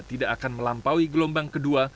tidak akan melampaui gelombang kedua